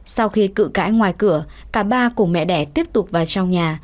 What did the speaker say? sau khi cự cãi ngoài cửa cả ba cùng mẹ đẻ tiếp tục vào trong nhà